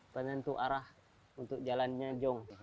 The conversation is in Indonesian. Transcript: penentu arah untuk jalannya jong